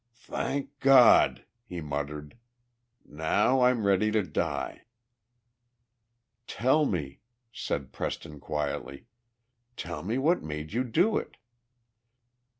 "Thank God!" he muttered. "Now I'm ready to die!" "Tell me," said Preston, quietly "tell me what made you do it."